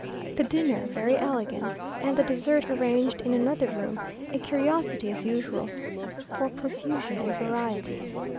The dinner very elegant, and the dessert arranged in another room, a curiosity as usual for profusion and variety.